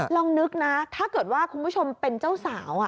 ลองนึกนะถ้าเกิดว่าคุณผู้ชมเป็นเจ้าสาว